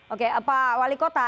oke pak wali kota